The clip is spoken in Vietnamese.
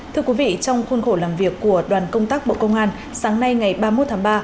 thưa quý vị trong khuôn khổ làm việc của đoàn công tác bộ công an sáng nay ngày ba mươi một tháng ba